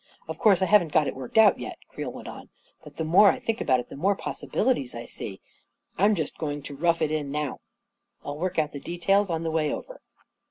" Of course I haven't got it worked out yet," Creel w tent on, " but the more I think about it, the more possibilities I see. I'm just going to rough it 3n, now. I'll work out the details on the way aver."